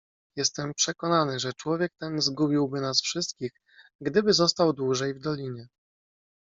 "Jestem przekonany, że człowiek ten zgubiłby nas wszystkich, gdyby został dłużej w dolinie."